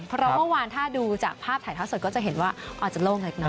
เพราะเมื่อวานถ้าดูจากภาพถ่ายเท้าสดก็จะเห็นว่าอาจจะโล่งเล็กน้อย